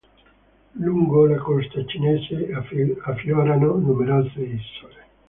Lungo la costa cinese affiorano numerose isole.